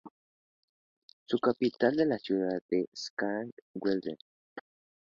Su capital es la ciudad de Sankt Wendel.